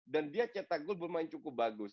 dan dia catak gol bermain cukup bagus